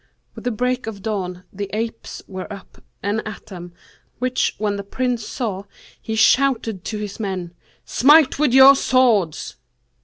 With the break of day, the apes were up and at them, which when the Prince saw, he shouted to his men, 'Smite with your swords.'